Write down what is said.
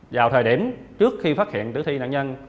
vào thời điểm trước khi phát hiện tử thi nạn nhân